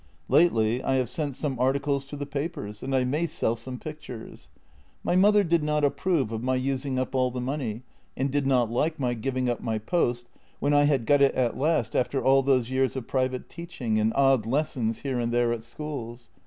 Lately I have sent some articles to the papers, and I may sell some pictures. My mother did not approve of my using up all the money, and did not like my giving up my post when I had got it at last after all those years of private teaching and odd lessons here and there at schools.